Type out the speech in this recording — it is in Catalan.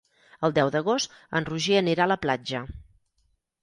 El deu d'agost en Roger anirà a la platja.